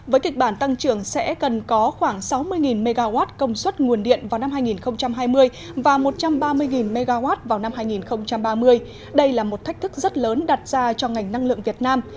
với kịch bản tăng trưởng sẽ cần có khoảng sáu mươi mw công suất nguồn điện vào năm hai nghìn hai mươi và một trăm ba mươi mw vào năm hai nghìn ba mươi đây là một thách thức rất lớn đặt ra cho ngành năng lượng việt nam